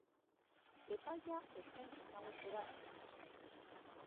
Epaia ez zen ezagutzera eman.